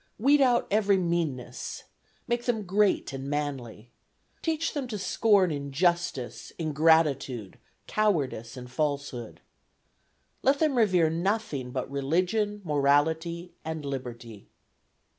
Weed out every meanness. Make them great and manly. Teach them to scorn injustice, ingratitude, cowardice, and falsehood. Let them revere nothing but religion, morality, and liberty.